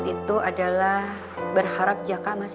mendahul offense ayam itu cukup tinggi